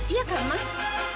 iya kak mas